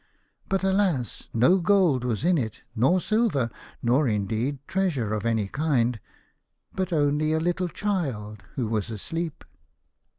But, alas ! no gold was in it, nor silver, nor, indeed, treasure of any kind, but only a little child who was asleep.